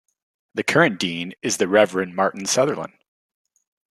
The current dean is the Reverend Martin Sutherland.